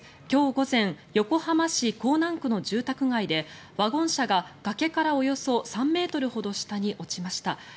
今日午前横浜市港南区の住宅街でワゴン車が崖からおよそ３ｍほど下に落ちました。